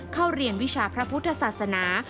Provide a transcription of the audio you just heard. เข้าเรียนวิชาพระพุทธศาสนา